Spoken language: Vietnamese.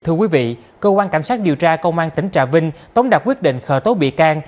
thưa quý vị cơ quan cảnh sát điều tra công an tỉnh trà vinh tống đạt quyết định khởi tố bị can